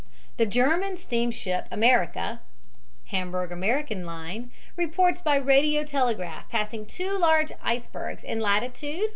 The German steamship Amerika (Hamburg American Line) reports by radio telegraph passing two large icebergs in latitude 41.